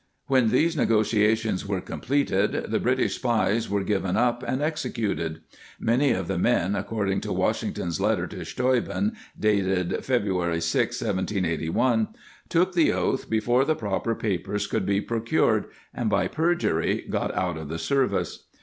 ^ When these negotiations were completed the British spies were given up and executed. Many of the men, according to Washington's letter to Steuben, dated February 6, 1781, took the oath before the proper papers could be procured, and by perjury got out of the service.